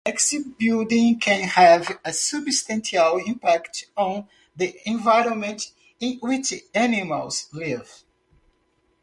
Nest building can have a substantial impact on the environment in which animals live.